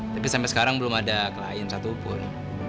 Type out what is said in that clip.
tapi sampai sekarang belum ada klien satupun